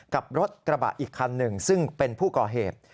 กับรถกระบะอีกคันหนึ่งซึ่งเป็นผู้ก่อเหตุ